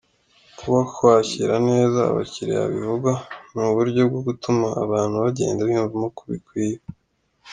Kuba kwakira neza abakiriya bivugwa, ni uburyo bwo gutuma abantu bagenda biyumvamo ko bikwiye.